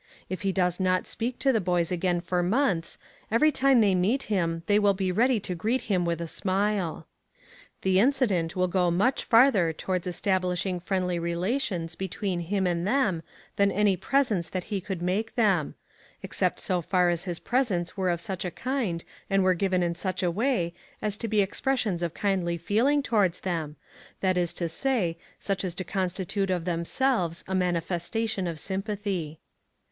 If he does not speak to the boys again for months, every time they meet him they will be ready to greet him with a smile. The incident will go much farther towards establishing friendly relations between him and them than any presents that he could make them except so far as his presents were of such a kind, and were given in such a way, as to be expressions of kindly feeling towards them that is to say, such as to constitute of themselves a manifestation of sympathy.